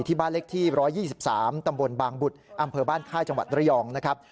บ้านเล็กที่๑๒๓ตำบลบางบุตรอำเภอบ้านค่ายจังหวัดระยองนะครับ